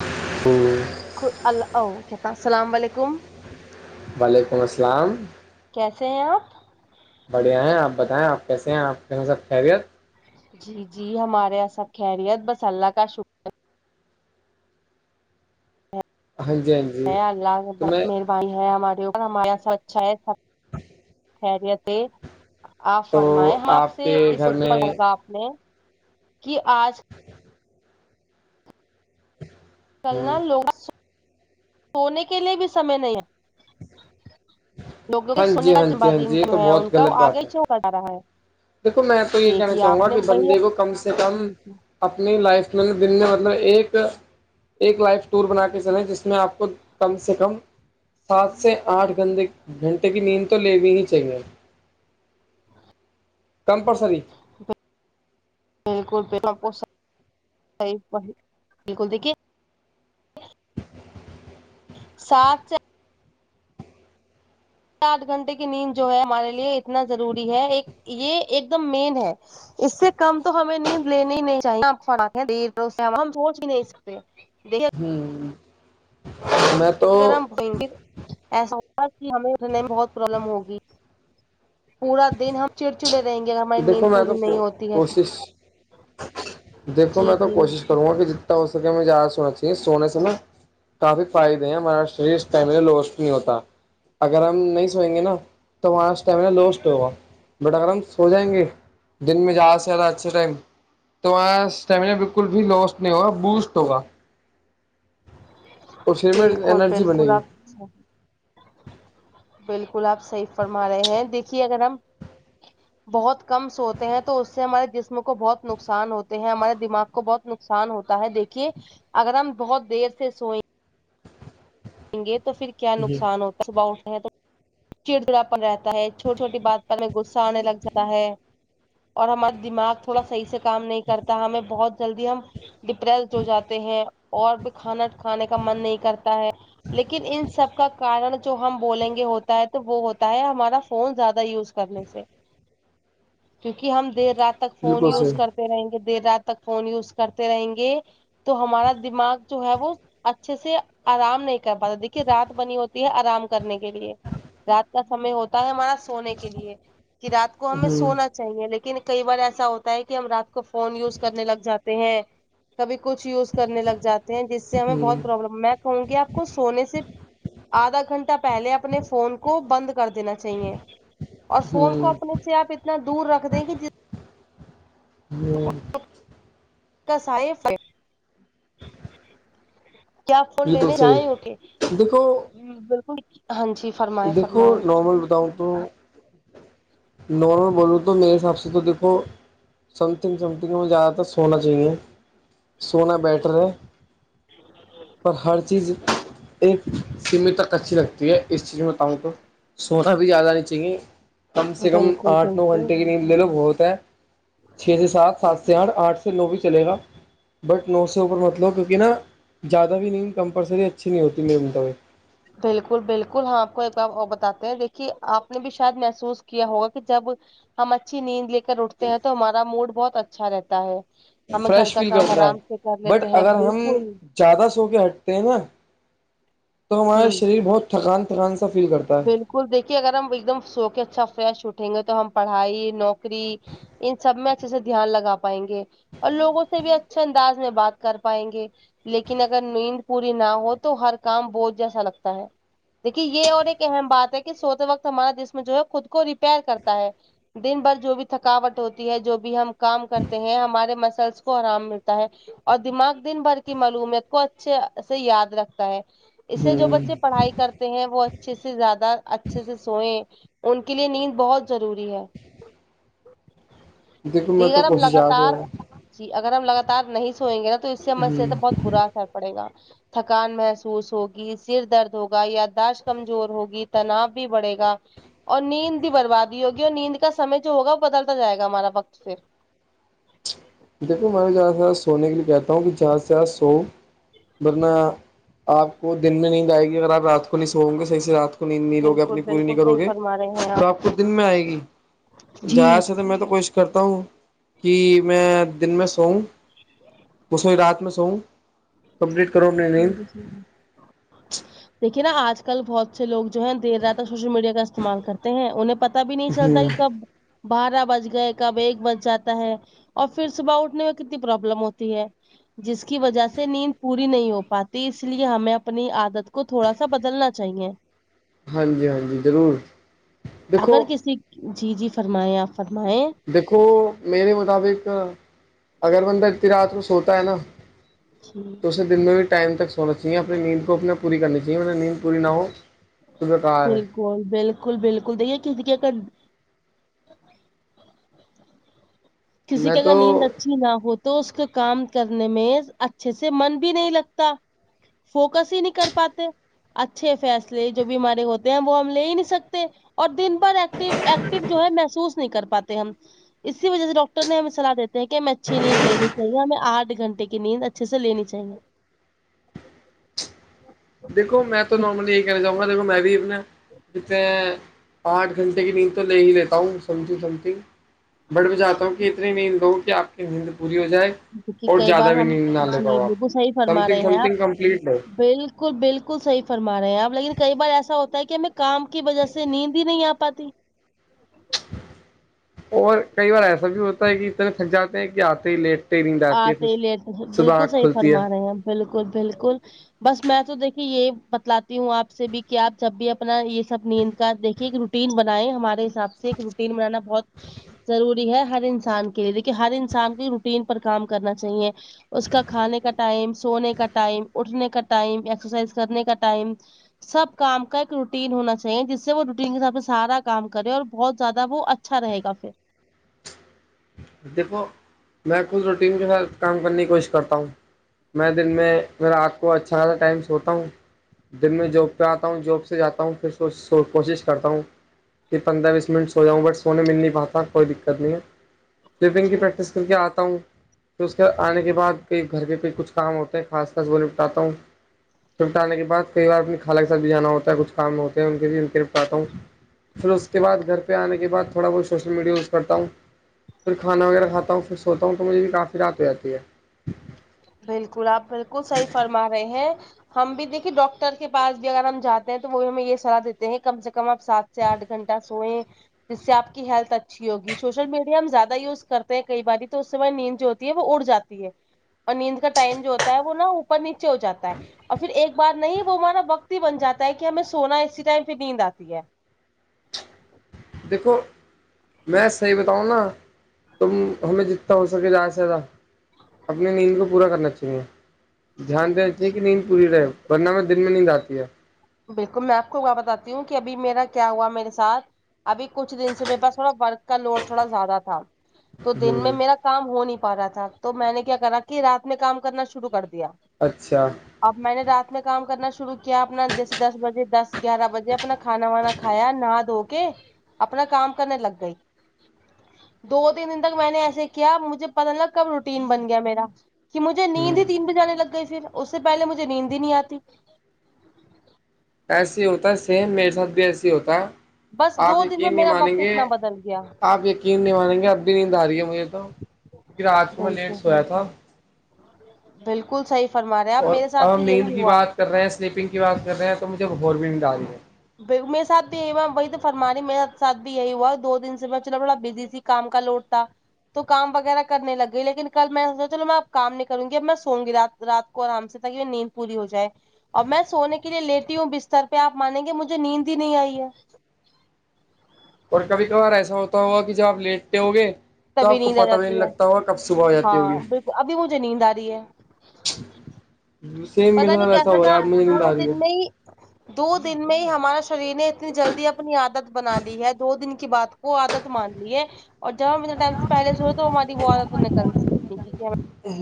ہوں السلام علیکم وعلیکم السلام کیسے ہیں آپ بڑھیا ہیں آپ بتائیں آپ کیس ہیں آپ کے یہاں سب خیریت جی جی ہمارے اسب خیریت بس اللہ کا شکر ہاں جی ہاں جی اللہ سے تو میں بہت مہربانی ہے ہمارے اوپر ہمارے یہاںب اچھا ہے سب خیریت ہے آپ تو فرمائے ہم آپ سے کے اس گھر مدے میں پر ہوگا آپ نے کہ آج [unintelligible] چلنا لوگوں سونے کے لیے بھی سمے نہیں لوگوں کے ہاں سونے جی کا ہاں ب جی ہاں دن جی یہ جو تو ہے ان بہت کا وہ غلط آگے بات ہے سے پڑا رہا ہے دیکھو میں تو یہ کہنا دیکھیے چاہوں آپ گا نے کہ بندے بڑھیا کو کم سے کم بالکل اپنی لائف میں دن نے مطلب ایک ایک لائف ٹور بنا کے چلیں جس میں آپ کو کم سے کم سات سے آٹھ گھ گھنٹے کی نیند تو لے بھی ہی چاہیے کمپلسری [inaudible] بالکل بالکل دیکھیے [inaudible] آٹھ گھنٹے کی نیند جو ہے ہمارے لیے اتنا ضروری ہے ایک یہ ایک دم مین ہے اس سے کم تو ہمیں نیند لیینی ہی نہیں چاہیے فات ہیں ہم سوچھ بھی نہیں سکتے دیر ہوں میں تو یں گے ایسا ہوگا کہ ہمیں اٹھنے میں بہت پرابلم ہوگی پورا دن ہم چڑچڑے رہیں گے اگر ہماری دیکھو نیند میں پوری نہیں تو ہوتی ہے کوشش دیکھو جی میں تو جی کوشش کروں گا کہ ج ہو سکے ہم زیادہ سونا چاہیے سونے سے نا کافی فائدے ہیں ہمارا شریر اسما لوسٹ نہیں ہوتا اگر ہم نہیں سوئیں گے نا تو ہمارا اسٹیما لوسٹ ہوگا بٹ اگر ہم سو جائیں گے دن میں جا سےیادا اچھے ٹائم تو وہاں اسٹیمنا بالکل بھی لوس نہیں ہوگا بوسٹ ہوگا اور شریر میں بالکل انرجی بنے بالکل گی آپ بالکل آپ صحیح فرما رہے ہیں دیکھیے اگر ہم بہت کم سوتے ہیں تو اس سے ہمارے جسم کو بہت نقصان ہوتے ہیں ہمارے دماغ کو بہت ن نقان ہوتا ہے دیکھیے اگر ہم بہت دیر سے سوئے گے تو پھر کیا نقصان ہوتا ہے صبح اٹھ ہیں تو چڑچڑا پر رہتا ہے چوٹی چھوٹی بات پر ہمیں غصہ آنے لگ جاتا ہے اور ہمارا دماغ تھوڑا صحیح سے کام نہیں کرتا ہمیں بہت جلدی ہم ڈپریسڈ ہو جاتے ہیں اور بھی کھانا کھانے کا من نہیں کرتا ہے لیکن ان سب کا کارن جو ہم بولیں گے ہوتا ہے تو وہ ہوتا ہے ہمارا فون زیادہ یوز کرنے سے کیونکہ ہم دیر رات تک فون بالکل یوز صحیح کرتے رہیں گے دیر رات تک فون یوز کرتے رہیں گے تو ہمارا دماغ جو ہے وہ اچھے سے آرام نہیں پات دیکھیے رات بنی ہوتی ہے آرام کرنے کے لیے رات کا سمے ہوتا ہے ہمارا سونے کے لیے کہ رات کو ہمیں ہوں سونا چاہیے لیکن کئی بار ایسا ہوتا ہے کہ ہم رات کو فون یوز کرنے لگ جاتے ہیں کبھی کچھ یوز کرنے لگ جاتے ہیں جس سے ہمیں بہت ہوں پروابلم میں کہوں گی آپ کو سونے سے آدھا گھنٹہ پہلے اپنے فون کو بند کر دینا چاہیے اور فون ہوں کو اپنے سے آپ اتنا دور رکھ دیں کہ جس جی کس ہے ف [inaudible] کیا فول بالکل لینے صحیح جیں اک دیکھو بالکل ہاں جی فرما دیکھو نارمل بتاؤں تو نارم بولو تو میرے حساب سے تو دیکھو سم تھنگ سم تھنگ ہم زیادہ تر سونا چاہیے سونا بیٹر ہے پر ہر چیز ایک سیمھ تک اچھی رہ اس چیز میں بتاؤں تو سونا بھی زیادہ آ نہیں چاہیے کم سے کم بالکل آٹھ نو بالکل گھنٹے کے نید لے لو بہت ہے چھ سے سات سات سے آٹھ آٹھ سے نو بھی چلے گا بٹ نو سے اوپر متلو کیونکہ نا زیادہ بھی نہیں کمپلسری اچھی نہیں ہوتی میرے متابق بالکل بالکل ہاں آپ کو ایک بار بتاتے ہیں دیکھیے آپ نے بھی شاید محسوس کیا ہوگا کہ جب ہم اچھی نیند لے کر اٹھتے ہیں تو ہمارا موڈ بہت اچھا رہتا ہے ہمیں گھر فریش کا فیل کام کرتا ہے آرام سے کر بٹ لیتے ہیں اگر ہم بالکل زیادہ سو کے ہٹتے ہیں نا تو ہمارا ہوں شریر بہت تھکان تھکان سا فیل کرتا ہے بالکل دیکھیے اگر ہم ایک دم سو کے اچھا فریش اٹھیں گے تو ہم پڑھائی نوکری ان سب میں اچھے سے دھیان لگا پائیں گے اور لوگوں سے بھی اچھے انداز میں بات کر پائیں گے لیکن اگر نیند پوری نہ ہو تو ہر کام بہت جیسا لگتا ہے دیکھیے یہ اور ایک اہم بات ہے کہ سوتے وقت ہمارا جسم جو ہے خود کو ریپیئر کرتا ہے دن بھر جو بھی تھکاوٹ ہوتی ہے جو بھی ہم کام کرتے ہیں ہمارے مسلس کو آرام ملتا ہے اور دماغ دن بھر کی معلومیت کو اچھے سے یاد رکھتا ہے اس سے جو بچے ہ پڑھائی کرتے ہیں وہ اچھے سے زیادہ اچھے سے سوئئے ان کے لیے نیند بہت ضروری ہے دیکھو میں تو دیگرم کوشش لگاتار آ جی اگر ہم لگاتار نہیں سوئیں گے نا تو اس سے ہم سے بہت برا پڑے گا تھکان محسوس ہوگی سر درد ہوگا یاداشت کمزور ہوگی تناؤ بھی بڑھے گا اور نیند بھی بربادی ہوگی اور نیند کام جو ہوگا وہ بدلتا جائے گا ہمارا وقت پھر دیکو میں جہاں سےاں سونے کے لیے کہتا ہوں کہ جہاں سے جاں سوؤ ورنہ آپ کو دن میں نہیں جائے گی اگر آپ رات کھلیے سو گے صحیح سے رات سنی لوگے بالکل اپنی پوری نہیں بالکل کرو صحیح گے فرما رہے ہیں تو آپ کو دن میں آئے گی جہاں سے تو میں تو کوشش کرتا ہوں کہ میں دن میں سوؤ وہ سوئی رات میں سووں جی جی دیکھیے نا آج کل بہت سے لوگ جو ہیں دیر رات تک سوشل میڈیا کا استعمال کرتے ہیں انہیں پتا بھی نہیں چلتا کہ کب بارہ بج گئے کب ایک بج جاتا ہے اور پھر صبح اٹھنے میں کتنی پرابلم ہوتی ہے جس کی وجہ سے نیند پوری نہیں ہو پاتی اس لیے ہمیں اپنی عادت کو تھوڑا سا بدلنا چاہیے ہاں جی ہاں جی ضرور اگر دیکھو کسی جی جی فرمائیں آپ فرمائیں دیکھو میرے مطابق اگر بندہ اتنی رات کو سوتا ہے نا جی تو اسے دن میں بھی ٹائم تک سونا چاہیے اپنی نیند کو اپنا پوری کرنی چاہیےطب نیند پوری نہ ہو تو بے کار ہے بالکل بالکل دیکھے کسی کی کسی میں کی تو اگر نیند اچھی نہ ہوتی تو اس کا کام کرنے میں اچھے سے من بھی نہیں لگتا فوکس ہی نہیں کر پاتے اچھے فیصلے جو بھی ہمارے ہوتے ہیں وہ ہم لے ہی نہیں سکتے اور دن بھر ایکٹیو ایکٹو جو ہے محسوس نہیں کر پاتے ہم اسی وجہ سے ڈاکٹر ڈاکٹر نے ہمیں صلاح دیتے ہیں کہ ہمیں اچھی نیند لینی چاہیے ہمیں آٹھ گھنٹے کی نیند اچھے سے لینی چاہیے دیکھو میں تو نارملی یہ کہنا چاہوں گا دیکھو میں بھی اپنا جیسے آٹھ گھنٹے کے کی نیند تو لے ہی لیتا ہوں سمنو سم تھنگ بٹ میں چاہتا ہوں کہ اتنی نیند دو کہ آپ کی نیند پوری ہو جائے دیکھیے اور کئی بار زیادہ بھی ہم نیند نہ لے جی پاؤ آپ بالکل صحیح سم فرما تھنگ رہے سم ہیں آپ تھنگ کمپلیٹ لو بالکل بالکل بالکل صحیح فرما رہے ہیں آپ لیکن کئی بار ایسا ہوتا ہے کہ ہمیں کام کی وجہ سے نیند ہی نہیں آپاتی اور کئی بار ایسا بھی ہوتا ہے کہ اتنے تھک جاتے ہیں کہ آتے ہی لیٹ آتے ہی لیٹے تو بالکل صحیح کھلتی ہے فرما رہے ہیں بالکل بالکل بس میں تو دیکھیے یہ بتلاتی ہوں آپ سے بھی کہ آپ جب بھی اپنا یہ سب نیند کا دیکھیے رو روٹین بنائیں ہمارے حساب سے ایک روٹین بنانا بہت ضروری ہے ہر انسان کے لیے لیکن ہر انسان کی روٹین پر کام کرنا چاہیے اس کا کھانے کا ٹائم سونے کا ٹائم اٹھنے کا ٹائم ایکسرسائز کرنے کا ٹائم سب کام کا ایک روٹین ہونا چاہیے جس سے وہ روٹین کے حساب سے سارا کام کرے اور بہت زیادہ وہ اچھا اچھا رہے گا پھر دیکھو میں خود روٹین کے ساتھ کام کرنے کی کوشش کرتا ہوں میں دن میں رات کو اچھا خاصا ٹائم سوتا ہوں دن میں جاب پہ آتا ہوں جاب سے جاتا ہوں پھر کوشش کرتا ہوں کہ پندرہ بیس منٹ سو جاؤں بٹ سونے مل نہیں پاتا کوئی دقت نہیں ہے لفٹنگ کی جی پریکٹس کر کے آتا ہوں پھر اس کے آنے کے بعد کئی گھر کے پہ کچھ کام ہوتے ہیں خاص خاص وہ نپٹاتا ہوں نپٹانے آنے کے بعد کئی بار اپنی خالہ کے ساتھ بھی جانا ہوتا ہے کچھ کام ہوتے ہے ان کے بھی نپٹا کی آتا ہوں پھر اس کے بعدھر پہ آنے کے بعد تھوڑا بہ سوشل میڈیا یوز کرتا ہوں پھر کھانا وغیرہ کھات ہوں پھر سوتا ہوں تو مجھے بھی کافی رات ہو جی ہے بالکل آپ بالکل صحیح فرما رہے ہیں ہم بھی دیکھیے ڈاکٹر کے پاس بھی اگر ہم جاتے ہیں تو وہ بھی ہمیں یہ صلاح دیتے ہیں کم سے کم آپ ساتھ چار آٹھ گھنٹہ سوئے جس سے آپ کی ہیلتھ اچھی ہوگی سوشل میڈیا ہم زیادہ یوز کرتے ہیں کئی باری تو اس سے نیند جو ہے وہ اڑ جاتی ہے اور نیند کا ٹائم جو ہوتا ہے وہ نا اوپر نیچے ہو جاتا ہے اور پھر ایک بار نہیں وہ ہمارا وقت ہی بن جاتا ہے کہ ہمیں سونا اسی ٹائم پھر نیند آتی ہے دیکھو میں صحیح بتاؤں نا تم ہمیں جتنا ہو سکے زیادہ سے زیادہ اپنی نیند کو پورا کرنا چاہیے دھیان دینتییے کہ نیند پوری رہے ورنہ میں دن میں نیند آتی ہے بالکل میں آپ کو وہ بتاتی ہوں کہ ابھی میرا کیا ہوا میرے ساتھ ابھی کچھ دن سے میرے پاس تھوڑا ورک کا لوڈ تھوڑا زیادہ تھا تو دن میں ہوں میرا کام ہو نہیں پا رہا تھا تو میں نے کیا کرا کہ رات میں کام کرنا شروع کر دیا اچھا اب میں نے رات میں کام کرنا شروع کیا اپنا دس دس بجے دس گیارہ بجے اپنا کھانا وانا کھایا نہ دھو کے اپنا کام کرنے لگ گئی دو تین دن تک میں نے ایسے کیا مجھے پت نگ کب روٹین بن گیا میرا کہ مجھے نیند ہوں ہی تین بجےانے لگ گئی پھر اس سے پہلے مجھے نیند ہی نہیں آتی ایسے ہی ہوتا ہے سیم میرے ساتھ بھی ایسے ہی ہوتا بس آپ دو دن میں یقین نہیں میرا مانیں وقت گے اتنا بدل گیا آپ یقین کیین نہیں مانیں گے اب بھی نیند آ رہی ہے مجھے تو کیونکہ رات کو میں لیٹ بالکل سویا تھا بالکل صحیح فرما رہے اب اور میرے ساتھ ہم بھی یہی نیند کی ہوا بات کر رہے ہیں سلیپنگ کی بات کر رہے ہیں تو مجھے ب اورور بھی نلد آ رہی ہے میرے ساتھ یہیا وہی تو فرما رہ میرے سھ یہی ہوا دو دن سے میں چلو تھوڑا بزی س کام کا لوٹ تھا تو کام وغیرہ کرنے لگے لیکن کل میں سوچا چلو میں اب کام نہیں کروں گی اب میں سوں گی رات رات آرام سے تاک کہ نیند پوری ہو جائے اور میں سونے کے لیے لیتی ہوں بستر پہ آ مانیں گے مجھے مجھ نیند ہی نہیں آئی ہے اور کبھی کبھار ایسا ہوتا ہوگا کہ جب آپ لیٹتے ہو گے تو تبھی آپ کو نیند آ پتہ بھی نہیں جاتی ہے لگتا ہوگا کب صبح ہو جاتی ہاں ہوگی بالکل ابھی مجھے نیند آ رہی ہے سیم میرے پتا نہیں ساتھ ایسا کیسا ہو رہا تھا ہے اب مجھے دو نیند آ رہی دن میں ہے ہی دو دن میں ہی ہمارا شریر نے اتنی جلدی اپنی عادت بنا لی ہے دو دن کی بات وہ عادت مان لی ہے اور جب ہم میرے ٹائم سے پہلے سے ہوئے تو ہماری وہ عادت نےک س ہ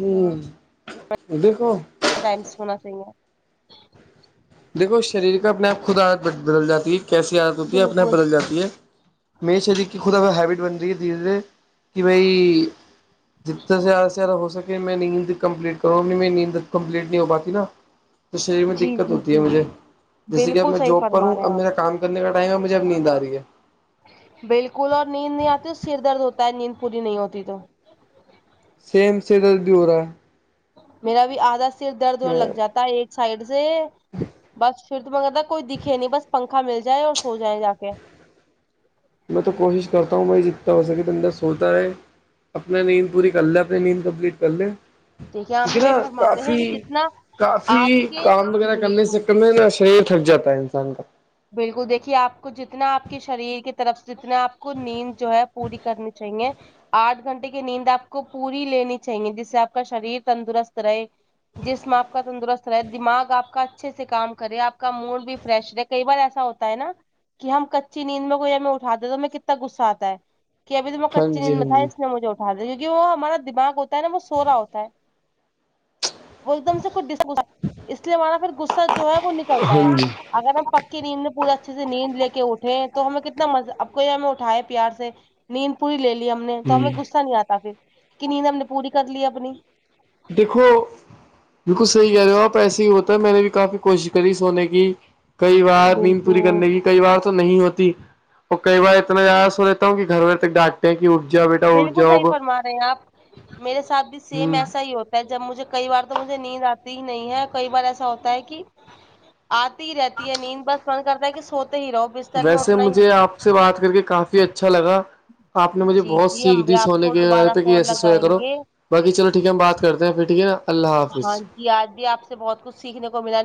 ا دیک کو ٹائمس ہونا چاہیے دیکو شریر کا اپنے آپ خود عادت بدل جات ہے کیسی عادت ہوتی ہے اپنے آپ بالکل بدل جاتی ہے میے شریر کی خدا ہیب بن رہی ہے دھیرے دھیرے کہ بھائی جتنا سے زیادہ سے زیادہ ہو سک میں نیند کمپلیٹ کرا ا می نیند کمپلیٹ نہیں ہو پاتی نا تو شریر میں جی دقت جی ہوتی جی مجھے جیسے کہ اب بالکل میں صحیح جاب پر فرما ہوں رہے اب ہیں میرا آپ کام کرنے کا ٹائم ہے مجھے اب نیند آ رہی ہے بالکل اور نیند نہیں آتی تو سر درد ہوتا ہے نیند پوری نہیں ہوتی تو سیم سے درد بھی ہو رہا ہے میرا بھی آدھا سر درد اور لگ میں جاتا ہے ایک سائڈ سے بس پھر تو مگر تھا کوئی دکھے نہیں بس پنکھا مل جائے اور سو جائے جا کے میں تو کوشش کرتا ہوں بھائی جتنا ہو سکے تو اندر سوتا رہے اپنی نیند پوری کر لے اپنی نیند کمپلیٹ کر لے دیکھیے ہم ٹھیک ہے بھی نا وہی فرماتے ہیں کافی کہ جتنا آپ کافی کے کام وغیرہ کرنے سے بالکل ک شریر تھکاتا ہے انسان کا بالکل دیکھیے آپ کو جتنا آپ کے شریر کی طرف سے جتنا آپ کو نیند جو ہے پوری کرنی چاہیے آٹ گھنٹے کی نیند آپ کو پوری لینی چاہیے جس سے آپ کا شریر تندرست رہے جس میں آپ کا تندرست رہے دماغ آپ کا اچھے سے کام کرے آپ کا موڈ بھی فریش رہے کئی بار ایسا ہوتا ہے نا کہ ہم کچی نیند میں کوئی ہم اٹھاتے تو ہمیں کتنا غصہ آتا ہے کہ ابھی تو میں ہاں کچی جی نیند ہاں بتا جی اس نے مجھے اٹھا د کیکہ وہ ہمارا دماغ ہوتا ہے ن وہ سوورا ہوتا ہے وہ ایک دم سے کچھ ڈس گ اس لیے ہمارا پھر غصہ جو ہے وہ نکلتا ہے ہاں جی اگر پکی نیند میں پورے اچھے سے نیند لے اٹھے تو ہمیں کتنا مزہ اب کو یہ ہمیں اٹھائے پیار سے نیند پوری لے لی ہم نے تو ہوں ہمیں غصہ نہیں آتا پھر کہ نیند ہم نے پوری کر لی اپنی دیکھو بالکل صحی کہہ رہے ہو آپ ایسے ہی ہوتا ہے میں نے بھی کافی کوشش کری سونے کی کئی بار نیند پوری بالکل کرنے کی کئی بار تو نہیں ہوتی اور کئی بار اتنا یا س ہو رہتا ہوں کہ گھر و تک ڈاکٹ کی ارجا بیٹ بالکل صحیح فرما رہے ہیں آپ میرے ساتھ بھی سیم ہوں ایسا ہی ہوتا جب مجھے کئی بار تو مجھے نیند آتی ہی نہیں ہے کئی بار ایسا ہوتا ہے کہ آتی ہی رہتی ہے نیند بس من کرتا ہے کہ سوتے ہی رہو بستر میں ویسے اٹھنا ہی مجھے نہیں آپ ہے سے بات کر کے کافی اچھا لگا آپ نے مجھے جی بہت جی ہم سیکھ بھی دی آپ سونے کو کے دوبارہ پہ کہ فون ایسے سویا لگائیں کرو گے باقی چل ٹھیک ہم بات کرتے ہیں پھر ٹھیک ہے نا اللہ حافظ ج آج بھی آ سے بہت کچھ سیکھنے کو ملا